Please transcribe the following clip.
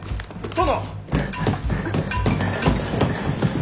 殿！